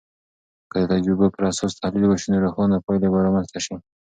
که د تجربو پراساس تحلیل وسي، نو روښانه پایلې به رامنځته سي.